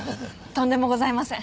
とんでもございません。